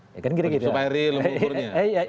supaya real mengukurnya